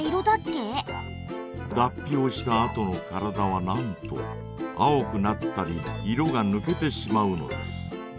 だっぴをしたあとの体はなんと青くなったり色がぬけてしまうのです。